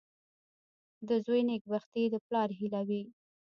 • د زوی نېکبختي د پلار هیله وي.